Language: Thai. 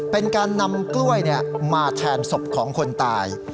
เป็นการนำกล้วยมาแทนศพของคนตาย